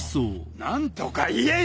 なんとか言えよ！